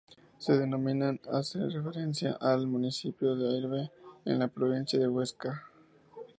Su denominación hace referencia al municipio de Ayerbe, en la provincia de Huesca.